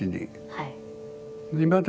はい。